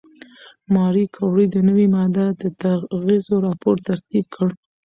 ماري کوري د نوې ماده د اغېزو راپور ترتیب کړ.